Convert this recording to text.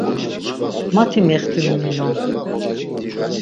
Mati mextimu minon.